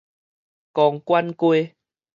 公館街